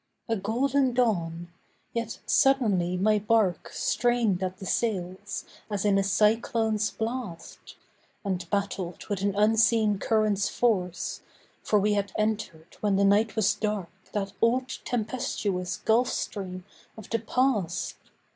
A golden dawn; yet suddenly my barque Strained at the sails, as in a cyclone's blast; And battled with an unseen current's force, For we had entered when the night was dark That old tempestuous Gulf Stream of the Past.